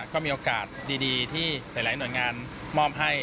ก็มีโอกาสดีที่หลายหน่วยงานมอบให้